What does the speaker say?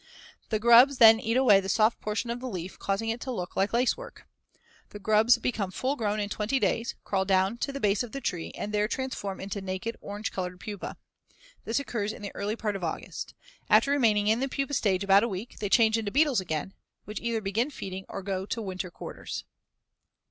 The grubs then eat away the soft portion of the leaf, causing it to look like lacework. The grubs become full grown in twenty days, crawl down to the base of the tree, and there transform into naked, orange colored pupae. This occurs in the early part of August. After remaining in the pupa stage about a week, they change into beetles again, which either begin feeding or go to winter quarters.